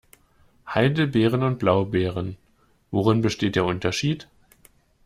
Heidelbeeren und Blaubeeren - worin besteht der Unterschied?